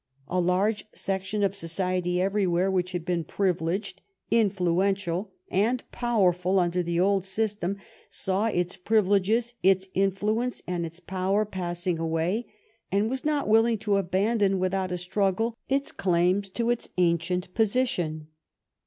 A large section of society everywhere, which had been privileged, influ ential, and powerful under the old system, saw its privileges, its influence, and its power passing away, and was not willing to abandon without a struggle its claims to its ancient position.